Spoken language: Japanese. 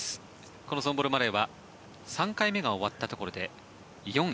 このソンボル・マレーは３回目が終わったところで４位。